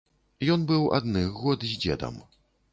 Ён быў адных год з дзедам.